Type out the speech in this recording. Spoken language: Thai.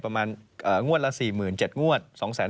ประมาณงวดละ๔๗งวด